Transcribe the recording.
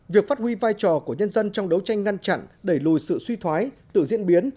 việc phát huy vai trò của nhân dân trong đấu tranh ngăn chặn đẩy lùi sự suy thoái tự diễn biến